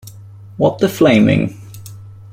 What the flaming.